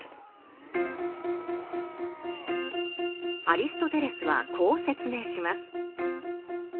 アリストテレスはこう説明します。